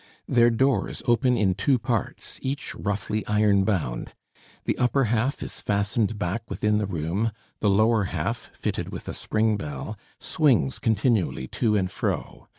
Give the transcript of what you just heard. Their doors open in two parts, each roughly iron bound; the upper half is fastened back within the room, the lower half, fitted with a spring bell, swings continually to and fro.